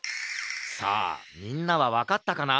さあみんなはわかったかな？